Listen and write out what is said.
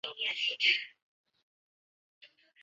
他还曾四次担任莫斯科电影节的评委会主席。